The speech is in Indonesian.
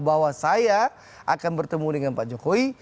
bahwa saya akan bertemu dengan pak jokowi